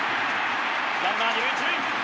ランナー二塁一塁。